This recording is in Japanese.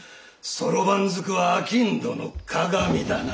そろばんずくは商人の鑑だな。